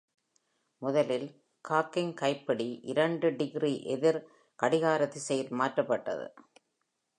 முதலில், காக்கிங் கைப்பிடி இரண்டு டிகிரி எதிர்-கடிகார திசையில் மாற்றப்பட்டது.